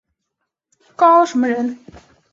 高翥人。